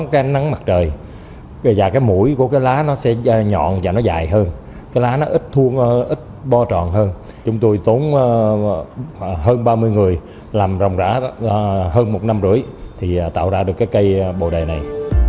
chúng tôi tốn hơn ba mươi người làm rồng rã hơn một năm rưỡi thì tạo ra được cây bồ đề này